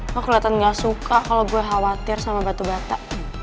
lo keliatan gak suka kalo gue khawatir sama batu bata